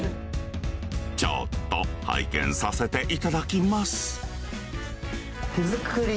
ちょっと拝見させていただきます手作り？